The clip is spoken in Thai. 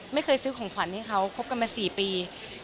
ไม่เคยซื้อของขวัญให้เขาคบกันมา๔ปี